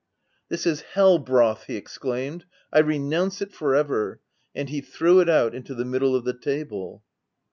"'This is hell broth!' he exclaimed. 'I renounce it for ever !' And he threw it out into the middle of the table.